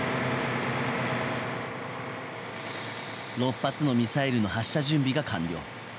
６発のミサイルの発射準備が完了。